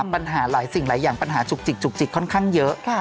ปัญหาหลายสิ่งหลายอย่างปัญหาจุกจิกจุกจิกค่อนข้างเยอะ